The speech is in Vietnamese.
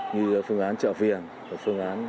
như phương án chợ viền